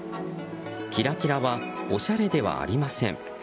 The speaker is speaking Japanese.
キラキラはおしゃれではありません。